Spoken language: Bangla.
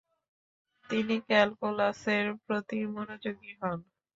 তিনি ক্যালকুলাসের প্রতি মনোযোগী হন।